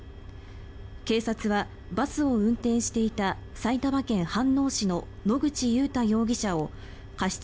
警察はバスを運転していた埼玉県飯能市の野口祐太容疑者を過失